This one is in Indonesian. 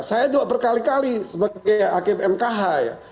saya juga berkali kali sebagai hakim mkh ya